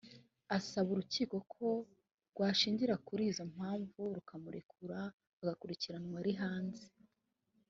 asaba urukiko ko rwashingira kuri izo mpamvu rukamurekura agakurikiranwa ari hanze